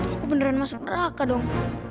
aku beneran masuk neraka dong